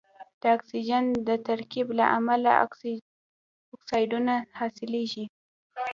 د اکسیجن د ترکیب له امله اکسایدونه حاصلیږي.